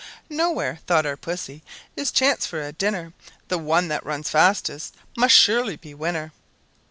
"Now here," thought our Pussy, "is chance for a dinner; The one that runs fastest must surely be winner!"